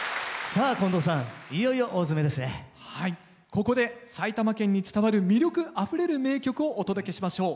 ここで埼玉県に伝わる魅力あふれる名曲をお届けしましょう。